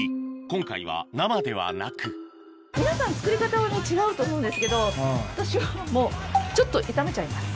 今回は生ではなく皆さん作り方はね違うと思うんですけど私はもうちょっと炒めちゃいます。